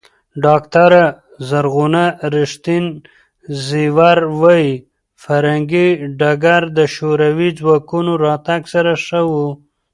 ډاکټره زرغونه ریښتین زېور وايي، فرهنګي ډګر د شوروي ځواکونو راتګ سره ښه و.